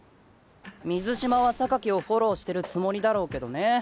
水嶋はをフォローしてるつもりだろうけどね。